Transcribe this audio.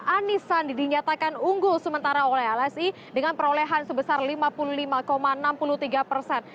anis sandi dinyatakan unggul sementara oleh lsi dengan perolehan sebesar lima puluh lima enam puluh tiga persen